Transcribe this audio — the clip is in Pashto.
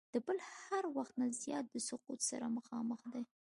د بل هر وخت نه زیات د سقوط سره مخامخ دی.